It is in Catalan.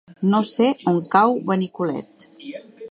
No sé on cau Benicolet.